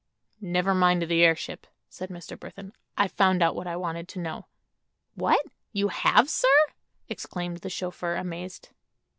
"Never mind the airship," said Mr. Burthon. "I've found out what I wanted to know." "What! you have, sir?" exclaimed the chauffeur, amazed.